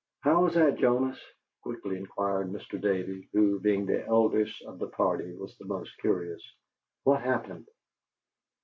"How was that, Jonas?" quickly inquired Mr. Davey, who, being the eldest of the party, was the most curious. "What happened?"